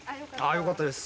よかったです。